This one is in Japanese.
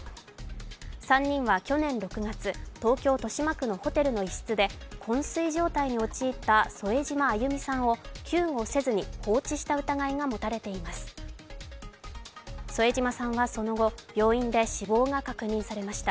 ３人は去年６月東京・豊島区のホテルの一室で昏睡状態に陥った添島亜祐実さんを救護せずに放置した疑いが持たれています。